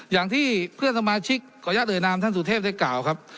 อย่างที่เพื่อนสมาชิกขออนุญาตเอ่ยนามท่านสุเทพได้กล่าวครับ